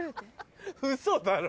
ウソだろ？